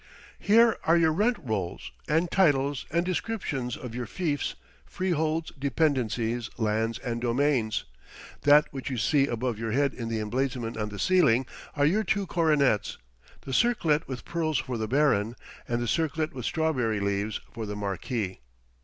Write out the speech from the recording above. Here are your rent rolls, and titles and descriptions of your fiefs, freeholds, dependencies, lands, and domains. That which you see above your head in the emblazonment on the ceiling are your two coronets: the circlet with pearls for the baron, and the circlet with strawberry leaves for the marquis.